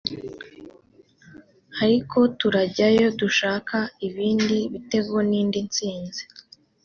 ariko turajyayo dushaka ibindi bitego n’indi ntsinzi